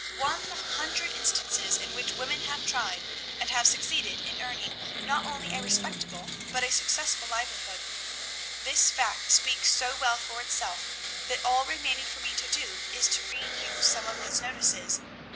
one hundred instances in which women have tried, and have succeeded in earning not only a respectable, but a successful livelihood. This fact speaks so well for itself, that all remaining for me to do is to read you some of these notices.